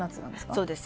そうです。